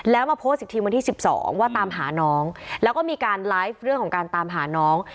แล้วมาโพสต์อีกทีวันที่๑๒ว่าตามหาน้องแล้วก็มีการไลฟ์เรื่องของการตามหาน้อง